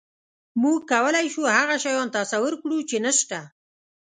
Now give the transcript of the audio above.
موږ کولی شو هغه شیان تصور کړو، چې نهشته.